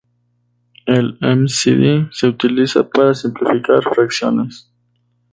El mcd se utiliza para simplificar fracciones.